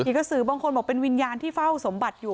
กระสือบางคนบอกเป็นวิญญาณที่เฝ้าสมบัติอยู่